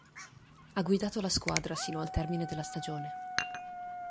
Ha guidato la squadra sino al termine della stagione.